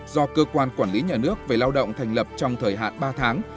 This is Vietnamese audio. do cơ quan quản lý nhà nước về lao động thành lập trong thời hạn ba tháng